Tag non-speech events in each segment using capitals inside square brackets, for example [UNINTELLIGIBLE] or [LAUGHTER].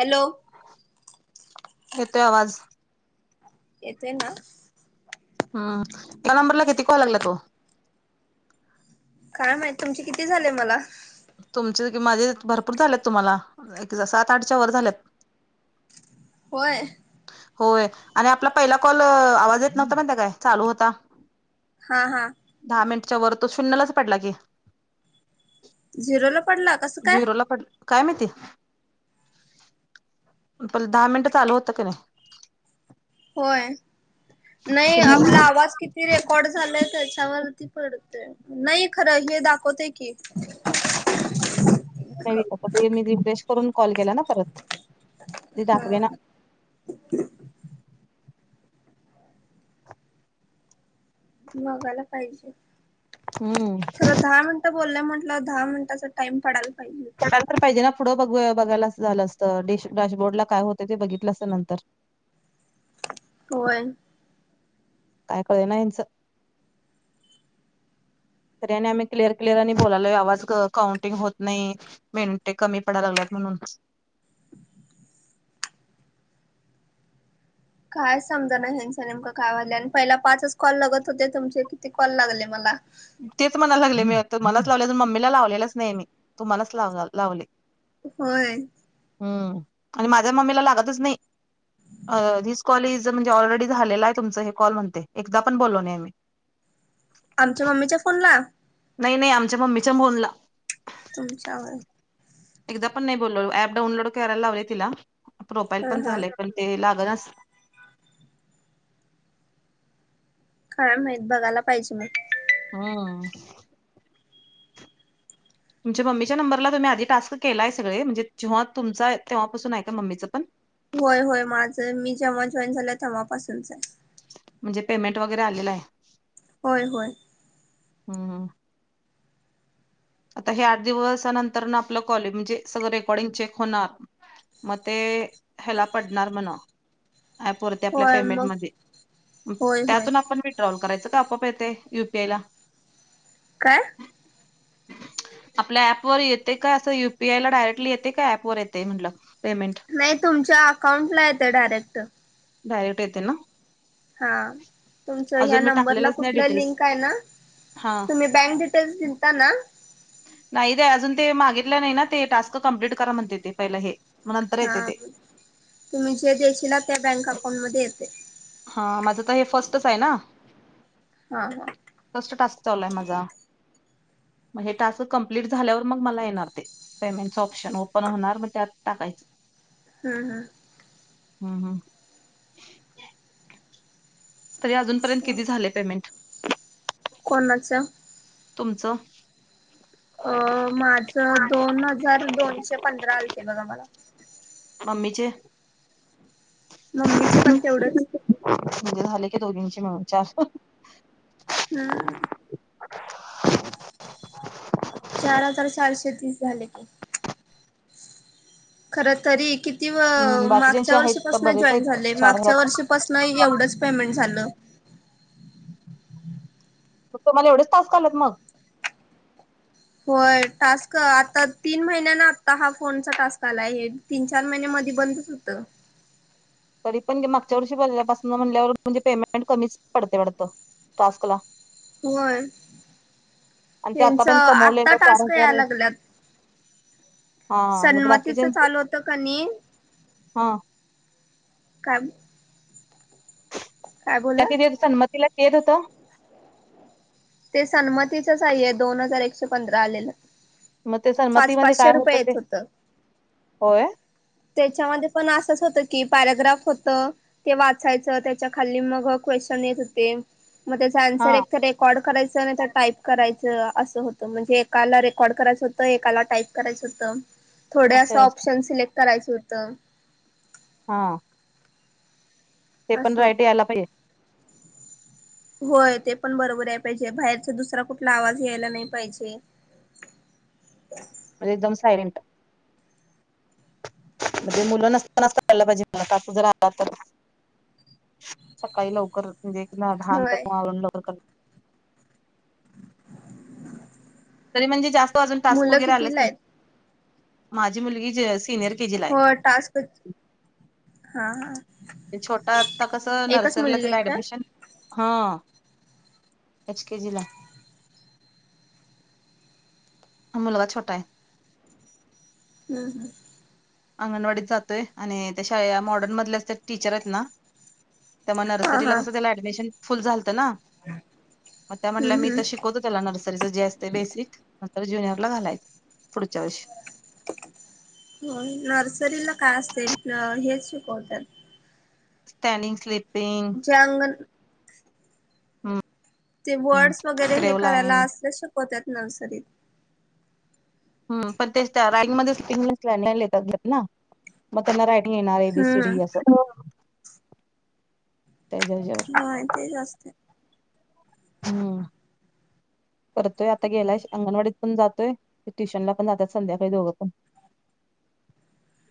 Hello तोय आवाज येतय ना हम्म या नंबरला किती कॉल लागलात ओ काय माहित तुमचे किती झाले मला तुमचे की माझे भरपूर झालेत तुम्हाला एक सात आठच्या वर झाल्यात होय. होय आणि आपला पहिला कॉल आवाज येत नव्हता माहिताय काय काय चालू होता. हा हा च्या वर तो शून्यलाच पडला की, झिरो ला पडला कसं काय. झिरोला पड काय माहिती पण दहा मिनिटं चालू होता कनी होय. नाही आपला शून्य आवाज किती रेकॉर्ड झालाय त्याच्यावरती पडतोय. नाही खरं हे दाखवतय की, मी रिफ्रेश करून कॉल केला ना परत ते हा दाखवल ना. मगायला पाहिजे. हूं बोललं म्हटंल्याव दहा मिनटाचा टाइम पडाला पाहि पडायला तर पाहिजे ना पुढं ब बघायला अस झालं असत ड डॅशबोर्ड ला काय होत ते बघितलं असतं नंतर [UNINTELLIGIBLE] होय. काय कळे ना ह्यांच तर आणि आम्ही क्लिअर क्लिअर आणि बोलालो आवाज काउंटिंग होत नाई मिनटे कमी पडाला लागल्यात. म्हणून काय समजा ना ह्यांचा नेमक काय वाजले आणि पहिला पाच कॉल लगत होते तुमचे किती कॉल लागले मला तेच म्हणाला लागले मी तुमालाच लावले त मम्मीला लावलेलाच नाही मी तूमालाच लाव लावले. होय. हम्म आणि माझ्या मम्मीला लागतच नई. अ धीस कॉल इज म्हणजे ऑलरेडी झालेला आहे तुमच हे कॉल म्हणतय एकदा पण बोललो नाय आम्ही [INAUDIBLE] आमच्या मम्मीच्या फोन ला नाही नाही आमच्या मम्मीच्या मोनला तुमच्यावर एकदा पण नाही बोललो अप डाऊनलोड करायला लावले तिला प्रोफाईल हा पण हा झालंय पण ते लाग गनास काय माहित बघायला पाहिजे म हम्म तुमच्या मम्मीच्या नंबरला तुम्ही आधी टास्क केलाय सगळे म्हणजे जेव्हा तुमच आहे तेव्हापासून आहे का मम्मीचं पण होय होय माझं मी जेव्हा जॉईन झालं तेव्हापासूनच आहे. म्हणजे पेमेंट वगैरे आलेल आहे होय हाय. हूं हूं आता हे आठ दिवस नंतर आपलं कॉल ये म्हणजे सगळं रेकॉर्डिंग चेक होणार म ते ते ह्याला पडणार म्हणा अँप वरती आपल्या होय मग पेमेंटमध्ये होय होय त्यातून आपण विथड्रॉल करायचं. आपाप येते यु पी आय ला काय? आपल्या ऍपवर येते का असं युपीआयला डायरेक्टली येते का ऍपवर येते म्हटलं. पेमेंट नाही तुमच्या अकाउंटला येतं डायरेक्ट [UNINTELLIGIBLE] हा तुमच ह्या अजून मी नंबरला टाकलेलंच नाही कुठलं डिटेल्स लिंक आहे ना. हा तुम्ही बँक डिटेल्स दिता ना. नाही ते अजून ते मागितल्या नाही ना ते टास्क कम्प्लीट करा म्हणते ते पहिलं हे. मग नंतर येते हा ते तुम्ही जे दे्याशील त्या बँक अकाउंट मध्ये येते हा माझं तर हे फर्स्टच आहे ना. हा हा. टस् चालय माझा मग हे टास्क कंप्लीट झाल्यावर मग मला येणार ते पेमेंटच ऑप्शन ओपन होणार मग त्यात टाकायचं. हम्म हम्म. हम् हम्. तरी अजूनपर्यंत हम्म किती झाले पेमेंट. कोणाचं? तुमचं? अ माझं दोन हजार दोनशे पंधरा आलते बघा मला ममीचे मम्मीचे पण तेवढंच. उे झाले की दोघींची मिळून चार हम्म चार हजार चारशे तीस झाले का? खरं तरी कि ती हम्म बाकीच्यांचे मागच्या आहेत तर वर्षीपासून बरेच जॉईन आहेत झाले चार मागच्या हजार वर्षीपासन एवढंच पेमेंट झालं. मग तुम्हाला एवढेच तास कालात मग हो टास्क आ तीन महिन्या ना आता हा फोन टास्क आला आहे तीन चार महिन आधी बंदच होत. तरी पणे मागच्या वर्षी बोलल्यापासून म्हणल्यावर म्हणजे पेमेंट कमीच पडते पडत. टस्कला. होर. आणि ते त्यांच आतापर्यंत आत्ता कमवलेलं चार टास्क याय हजार लागल्यात. हा नाही बाकीचे सन्मतीच चालू होतं कनी हा काम त्या कि सनमतीला कद होता. ते सन्मतीचच आहे दोन हजार एकशे पंधरा आलेलं. मग ते पाच सन्मतीमध्ये काय पाचशे रुपये होतं ते येत होत. होय त्याच्यामध्ये पण असंच होत की पॅरग्राफ होत ते वाचायचं त्याच्या खाली मग [UNINTELLIGIBLE] हा करायचं आणि त्या टाईप करायचं असं होतं म्हणजे एकाला रेकॉर्ड करायचं होतं एकाला टाईप करायचं होतं. थोड्या असं अच्छा अच्छा ऑप्शन सिलेक्ट करायचं होतं. हा. ते पण असं रायट होतं यायला पाहिजे. होय. ते पण बरोबर आहे पाहिजे. बाहेरचा दुसरा कुठला आवाज यायला नाही पाहिजे. [INAUDIBLE] अ का [INAUDIBLE] म्हणजे एकदम सायलेंट. म्हणजे मुलं नसतानाच करायला पाहिजे. मला तरं अस जर आला तर. सकाळी लवकर म्हणजे दहा प्रयन्त होय लवकर आवरून. तरी म्हणजे जास्त अजून टास्क मुलं वगैरे कितीला आलाचकी. आहेत माझी मुलगी सीनियर के जीला आहे. हो टास्क हा हा छोटा आता कसं एकच नर्सरीला मुलगी आहे त्याला का ऍडमिशन- हा एच केजी ला. मुलगा छोटा आहे. हम्म.. हम्म.. अंगणवाडीत जातोय आणि त्या शाळे मॉडर्न मधलेच टीचर आहेत ना. त्यामूळ हा नर्सरीला हा कसं त्याला ऍडमिशन फुल झालत. म्हणून त्या म्हंटल्या, हम्म मी हम्म शिकवतो त्याला नर्सरीच बेस- ज्युनियरला घालायचं पुढच्या वर्षी. हो नर्सरीला काय असते हेच शिकवतात. स्टॅनिंग स्लिप. [INAUDIBLE] ते हम्म वर्ड्स वगैरे हे क्रेव लाईन करायला असल्या शिकवत नर्सरीत. ह पण ते त्या रांग मिंगनेस लाईन लाईन घेतात ना मग त्यांना. येणार A. B. C. Hmm D. असं. त्याच्या ह्याच्यावर होय तेचं असत. हम्म.. करतोय आता गेलाय अंगणवाडीत पण जातोय. ट्युशनला पण जातात संध्याकाळी दोघं पण. [UNINTELLIGIBLE]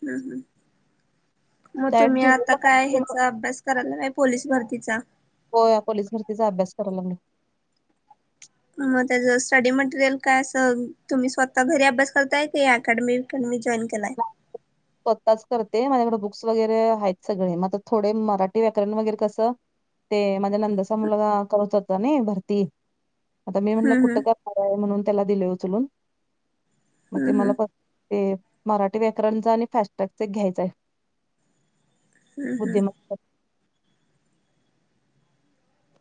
हम्म मग डायरेक्ट तुम्ही आता ज्युनियरला काय ह्याचा अभ्यास करत नाही--. पोलीस भरतीचा. हो या पोलीस भरतीचा अभ्यास करायलोयं. मग त्याच स्टडी मटेरियल काय असं तुम्ही स्वतः घरी अभ्यास करताय की अकॅडमी-डमी जॉईन करताय. केलाय. स्वताच करते माझ एवडं बुक्स वगैरे आहेत. सगळे मग थोडे मराठी व्याकरण वगैर कसं. ते माझ्या नंदाचा मुलगा करत होता ना भरती. आता मी म्हणलं हम्म हम्म कुठं का आहे म्हणून त्याला दिले उचलून. मग ते मला हम्म प ते मराठी व्याकरणचा आणि- फास्टट्रॅक घ्यायच आहे हम्म हम्म बुद्धिमत्ता.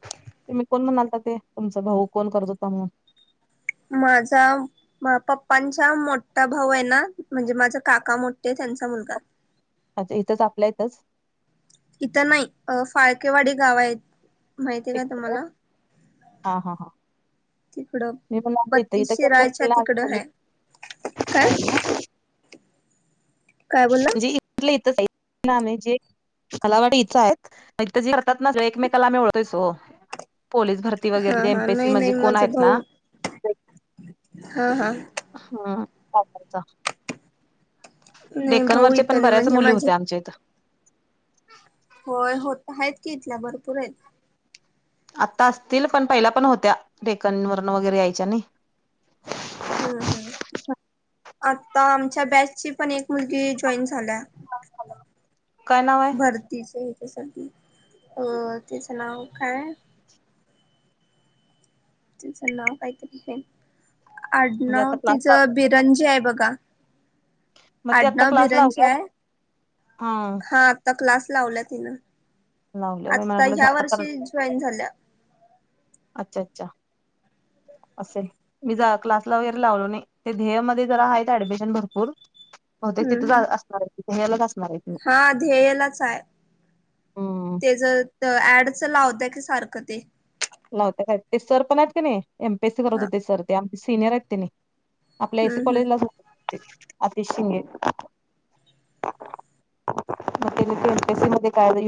तेमी कोण म्हणालता ते तुमचा भाऊ कोण करत होता म्हणून. माझा पप्पांचा मोठा भाऊ आहे ना म्हणजे माझ काका मोठे- त्यांचा मुलगा. अच्छा इथंच आपल्या इथच. इथं नाही फाळकेवाडी गाव आहे माहितीय ना तुम्हाला. हा. हा. हा. तिकडं बत्तीस करत शिराळायच्या असतील ना आम्ही तिकडं पोलीस हाय. काय. शाळेला. काय बोलला म्हणजे इथलं इथच आहे जे. मला वाट इथंच आहेत ज करतात ना एकमेकाला आमी ओळखायचो. पोलीस भरती हा वगैरे हा एमपीसी नाही म्हणजे नाही कोण आहेत ना. हा. हा. हा. हा वापरचा. नाही भाऊ डेकनवरचे इथं पण नाही बऱ्याच म्हणजे मुली माझे होत्या आमच्या इथं. होय होत आहेत की इथल्या भरपूर आहेत आता असतील पण पहिला पण होत्या टेकन वण वगैरे यायच्या नाही हम्म हम्म आता आमच्या बॅचची पण एक मुलगी जॉईन झाल्या काय नाव आहे? भरतीचे अ त्याचं नाव काय तिचं नाव काहीतरी म्हणजे आडनाव आता क्लास तिचं बिरंजे बघा. मग ते आता आडनाव क्लास बिरांनजे लावल्यात आहे हा हा आता क्लास लावला तिनं लावले मी आता म्हटलं ह्या परत वर्षी जॉईन झाल्या, अच्छा अच्छा, असे मी ज क्लासला वगैरे लावलो नाही, ते ध्येय मध्ये जरा आहे ऍडमिशन भरपूर. हो ते हम्म तिथे हम्म असणार आहे ध्ययाला असणार, आहेत हा ध्येयलाच आहे, हम्म तेच ऍडच लावत. लावताय की सारक ती, लावत काय ते सर पण आहेत का नाही, एमपीएस सी करत हा होते सर ते आमचे सिनियर आहेत ते नी आ हम्म हम्म तेनी मग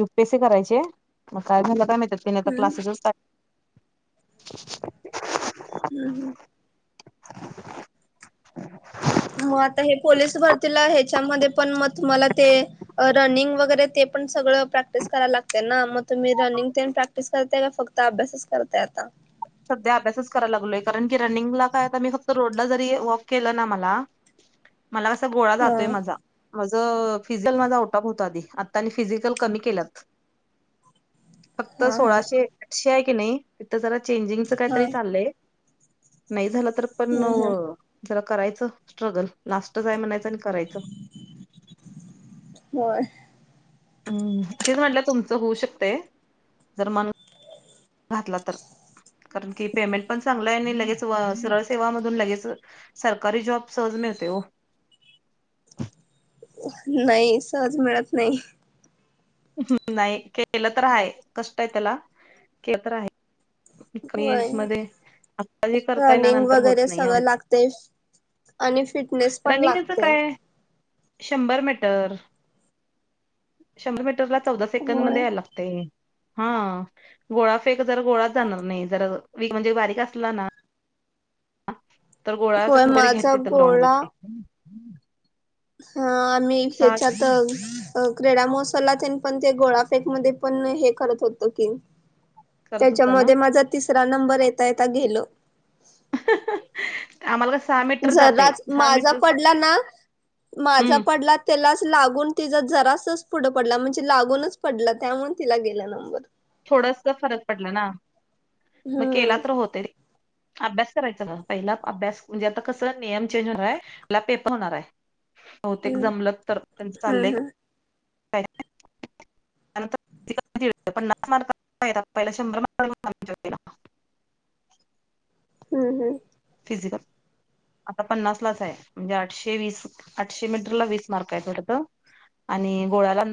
एमपीएस, त्यानी आता हम्म क्लास, [UNINTELLIGIBLE] [INAUDIBLE] मग आता हे पोलीस भरतीला, त्याच्यामध्ये पण मग तमला ते रनिंग वगरे, ते पण सगळं प्रॅक्टिस करायला लागते ना मग, तुम्ही रनिंग ते प्रॅक्टिस करताय का फक्त अभ्यासच करताय आता? सध्या, मला कसा गोळा हा जातोय मा आता आणि फिजिकल कमी केला, फक्त हा हा सोळाशे आठशे कानी तेथे जरा, हा पण, हम्म हम्म प करायचं, [UNINTELLIGIBLE] होय हम् तेच म्हटलं तुमचं होऊ शकते. जर मन घातला तर कारण की पेमेंट पण चांगलाय. सळ सवाध लगेच सरकारी जॉब सहज मिळतेओ, [INAUDIBLE] नाही सहज, मिळत नाही. हम्म नाही केलं तर आहे, कष्ट आहे त्याला केलं तर आहे. होय रनिंग वगैरे सगळं [UNINTELLIGIBLE] लागते आणि फिट, रनिंगचं काय शंभर मीटर शंभर मटरला, चौदा सेकंड होय. मध्ये यायला लागते. हा गोळा फेक जर गोळाच जाणार नाही, जर वीक म्हणजे बारीक असला ना [INAUDIBLE] तर गोळाच होय वगैरे घेत माझा येत ग्राउंड गोळा वरती. हा आम्ही साठ ह्याच्यात, अ किडा, करत होता ना त्याच्यामध्ये माझा तिसरा, [UNINTELLIGIBLE] आम्हाला कस जर माझा पडला ना, माझा हम्म पडला त्याला, लागून तिचा जरासच पुढं पडला, म्हणजे लागूनच पडला त्यामुळेून तिला गेला नंबर. हम्म [UNINTELLIGIBLE] अभ्यास करायचा ना पहिला अभ्यास म्हणजे, आता कसं नियम चेंज होणार आहेला पेपर होणार आहे. बहुतेक हम्म जमलत तर त्यांच चाललंय, हम्म हम्म पण [UNINTELLIGIBLE] पहिला शभर मार्क ला होत, हम्म हम्म फिजिकल, आता पन्नास लाच आहे, म्हणजे आठशे वीस आठशे मीटर ला वीस मार्क आहे वाटतं, आणि गोळ्याला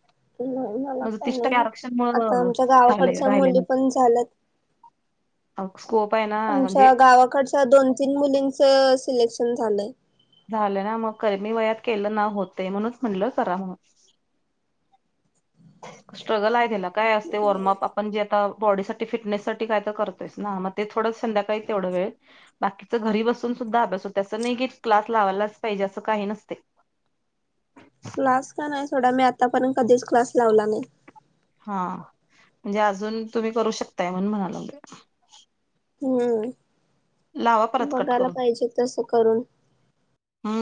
[UNINTELLIGIBLE] नाही मला म्हज काय तिष नाही होत आता आमच्या काररक्षमले गावाकडच्या राहिले मुली मग. पण झाल्यात हो. आमच्या गावाकडच्या दोन तीन मुलींच सिलेक्शन झालंय. झालं ना मग मी वयात केलं ना होते म्हणूनच म्हणलं करा म्ह [UNINTELLIGIBLE] स्ट्रगल आहे त्याला काय असते वॉर्मअप आपण जे आता बॉडी साठी फिटनेससाठी काय तर करतोयस ना मग ते थोडं संध्याकाळी तेवढा वेळ बाकीचं घरी बसून सुद्धा अभ्यास होतो तसं नाही की क्लास लावायलाच पाहिजे. काही नसते. क्लास का नाही सोडा मी आतापर्यंत कधीच क्लास लावला नाही. हा म्हणजे अजून तुम्ही करू शकताय म्हणून म्हणालो. हम्म परत कट बघायला करून पाहिजे तसं करून हम्म